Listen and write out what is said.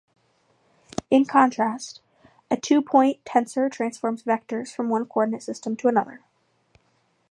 In contrast, a two-point tensor transforms vectors from one coordinate system to another.